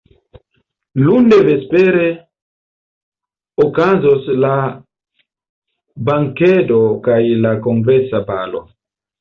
Lunde vespere okazos la bankedo kaj la kongresa balo.